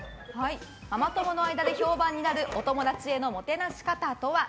ママ友の間で評判になるお友達へのもてなし方とは？